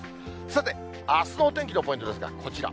さて、あすのお天気のポイントですが、こちら。